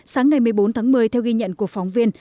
sáng ngày một mươi bốn tháng một mươi theo ghi nhận của phóng viên